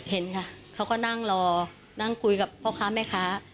เห็นค่ะเขาก็นั่งรอนั่งคุยกับพ่อค้าแม่ค้า